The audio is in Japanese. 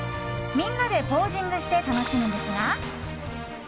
みんなでポージングして楽しむんですが。